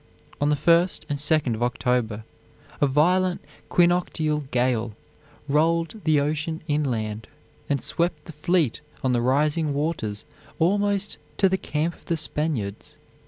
On the first and second of October a violent equinoctial gale rolled the ocean inland, and swept the fleet on the rising waters almost to the camp of the Spaniards.